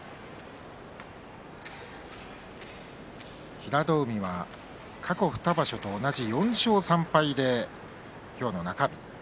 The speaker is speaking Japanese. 平戸海は過去２場所と同じ４勝３敗で今日の中日です。